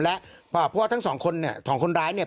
เพราะว่าทั้งสองคนเนี่ยสองคนร้ายเนี่ย